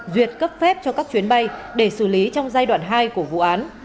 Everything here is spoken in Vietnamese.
duyệt cấp phép cho các chuyến bay để xử lý trong giai đoạn hai của vụ án